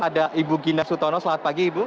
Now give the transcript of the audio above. ada ibu ginda sutono selamat pagi ibu